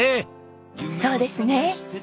そうですね！